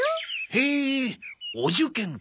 へえお受験か。